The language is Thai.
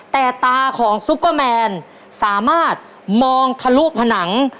แต่ตาของซุปเปอร์แมนสามารถมองทะลุผนัง